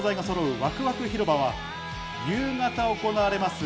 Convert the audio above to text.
わくわく広場は、夕方行われます。